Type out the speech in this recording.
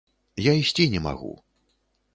Я ісці не магу.